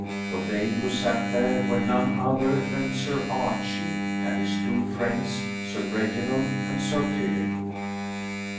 For they who sat there were none other than Sir Archie and his two friends Sir Reginald and Sir Philip.